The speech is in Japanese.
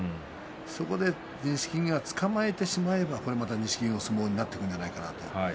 そこで錦木がつかまえてしまえばこれまた錦木の相撲になっていくんじゃないかなと。